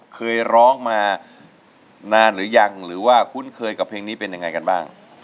เคยร้องมานานหรือยังหรือว่าคุ้นเคยกับเพลงนี้เป็นยังไงกันบ้าง